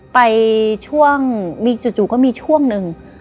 ไปช่วงมีจู่ก็มีช่วงหนึ่ง